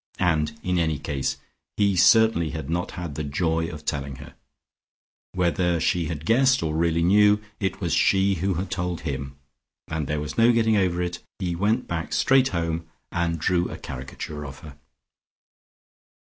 And, in any ease, he certainly had not had the joy of telling her; whether she had guessed or really knew, it was she who had told him, and there was no getting over it. He went back straight home and drew a caricature of her.